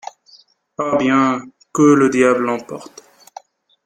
Ah bien ! que le diable l’emporte !